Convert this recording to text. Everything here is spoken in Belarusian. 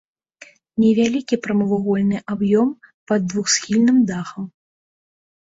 Невялікі прамавугольны аб'ём пад двухсхільным дахам.